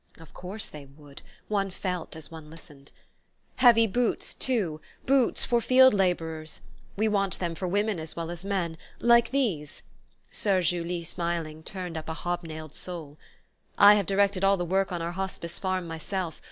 (Of course they would, one felt as one listened!) "Heavy boots, too boots for field labourers. We want them for women as well as men like these." Soeur Julie, smiling, turned up a hob nailed sole. "I have directed all the work on our Hospice farm myself.